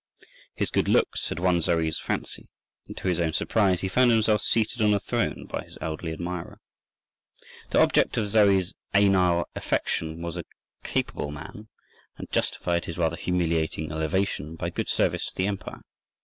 His good looks had won Zoe's fancy, and to his own surprise he found himself seated on the throne by his elderly admirer . The object of Zoe's anile affection was a capable man, and justified his rather humiliating elevation by good service to the empire.